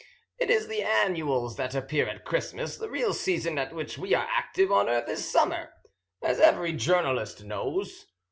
It is the annuals that appear at Christmas. The real season at which we are active on earth is summer, as every journalist knows.